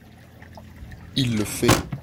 Il le fait